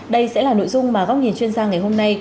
đây sẽ là nội dung mà góc nhìn chuyên gia ngày hôm nay